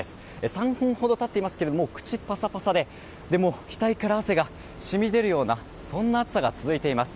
３分ほど経っていますけども口がパサパサで額から汗が染み出るようなそんな暑さが続いています。